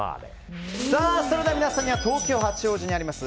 それでは皆さんには東京・八王子にあります